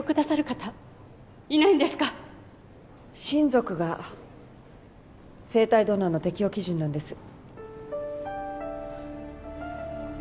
親族が生体ドナーの適応基準なんです。